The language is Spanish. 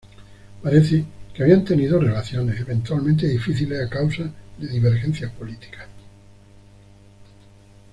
Parece que habían tenido relaciones, eventualmente difíciles a causa de divergencias políticas.